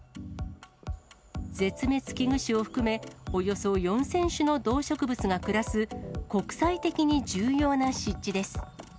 絶滅危惧種を含め、およそ４０００種の動植物が暮らす国際的に重要な湿地です。